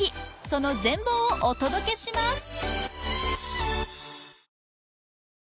その全貌をお届けします